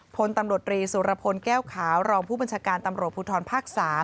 พลตำรวจรีสุรพลแก้วขาวรองผู้บัญชาการตำรวจภูทรภาค๓